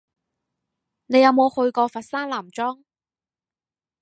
你有冇去過佛山南莊？